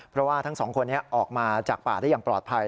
เพราะว่าทั้งสองคนนี้ออกมาจากป่าได้อย่างปลอดภัย